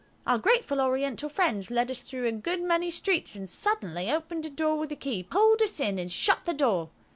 Our grateful Oriental friends led us through a good many streets, and suddenly opened a door with a key, pulled us in, and shut the door.